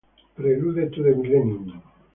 Prelude to the Millennium